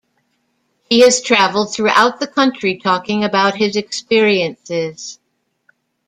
He has traveled throughout the country talking about his experiences.